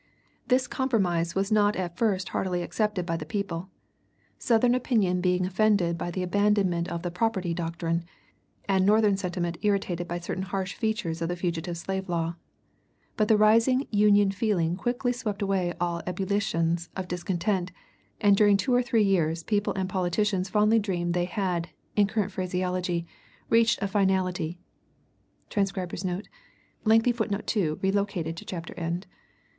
This compromise was not at first heartily accepted by the people; Southern opinion being offended by the abandonment of the "property" doctrine, and Northern sentiment irritated by certain harsh features of the fugitive slave law. But the rising Union feeling quickly swept away all ebullitions of discontent, and during two or three years people and politicians fondly dreamed they had, in current phraseology, reached a "finality" [Transcriber's Note: Lengthy footnote (2) relocated to chapter end.